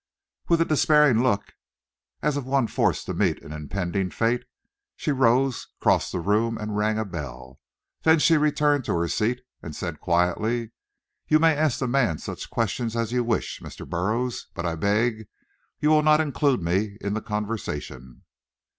With a despairing look, as of one forced to meet an impending fate, she rose, crossed the room and rang a bell. Then she returned to her seat and said quietly, "You may ask the man such questions as you wish, Mr. Burroughs, but I beg you will not include me in the conversation."